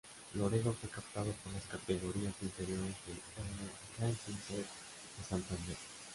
Laredo fue captado por las categorías inferiores del R. Racing C. de Santander.